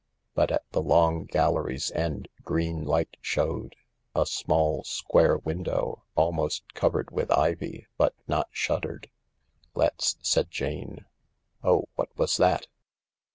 But at the long gallery's end green light showed, a small square window, almost covered with ivy, but not shuttered. " Lets," said Jane. " Oh, what was that